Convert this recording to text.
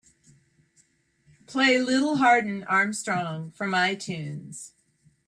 Play Lil Hardin Armstrong from Itunes.